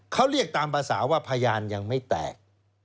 เขาเรียกตามภาษาว่าพยานยังไม่แตก